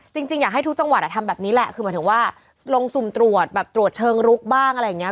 จริงอยากให้ทุกจังหวัดทำแบบนี้แหละคือหมายถึงว่าลงสุ่มตรวจแบบตรวจเชิงลุกบ้างอะไรอย่างนี้